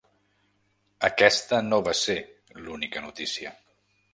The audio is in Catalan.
Aquesta no va ser l’única notícia.